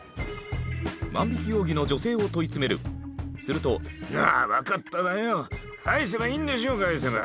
万引容疑の女性を問い詰めるすると「あぁ分かったわよ返せばいいんでしょ返せば」